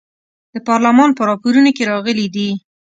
د پارلمان په راپورونو کې راغلي دي.